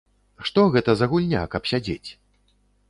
Што гэта за гульня, каб сядзець?